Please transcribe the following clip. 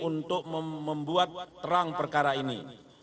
untuk membuat terang perkara ini